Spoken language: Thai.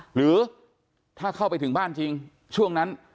หรือถ้าเข้าไปถึงบ้านจริงช่วงนั้น